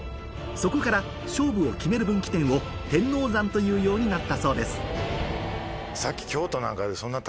そこから勝負を決める分岐点を天王山というようになったそうですさっき。